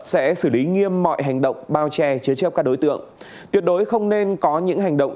sẽ xử lý nghiêm mọi hành động bao che chế chấp các đối tượng tuyệt đối không nên có những hành động